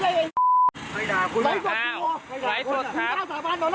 แล้วเดี๋ยวเล่าความคลิปหน้าให้ฟังเพิ่มเติมค่ะ